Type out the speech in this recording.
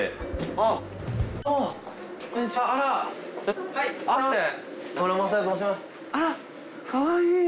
あっかわいい！